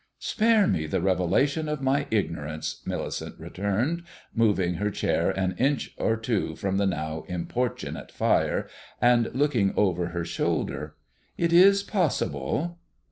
"Spare me the revelation of my ignorance," Millicent returned, moving her chair an inch or two from the now importunate fire, and looking over her shoulder. "It is possible."